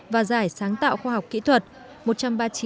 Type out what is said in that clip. và giải sáng tạo khoa học kỹ thuật